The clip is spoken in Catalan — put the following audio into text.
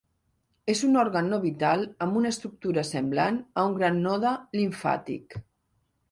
És un òrgan no vital amb una estructura semblant a un gran node limfàtic.